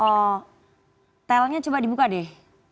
oh telnya coba dibuka deh